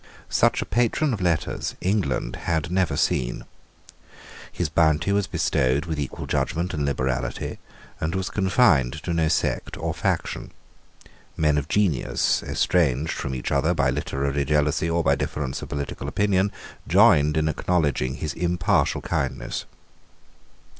Such a patron of letters England had never seen. His bounty was bestowed with equal judgment and liberality, and was confined to no sect or faction. Men of genius, estranged from each other by literary jealousy or by difference of political opinion, joined in acknowledging his impartial kindness.